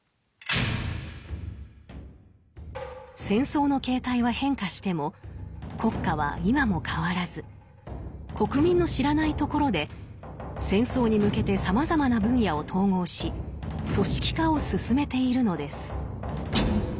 戦争の形態は変化しても国家は今も変わらず国民の知らないところで戦争に向けてさまざまな分野を統合し組織化を進めているのです。